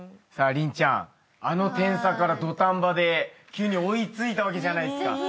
麟ちゃんあの点差から土壇場で急に追い付いたわけじゃないですか。